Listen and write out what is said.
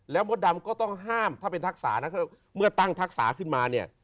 แล้วมดดำก็ต้องห้ามถ้าเป็นทักษะนะเมื่อตั้งทักษะขึ้นมาเนี่ย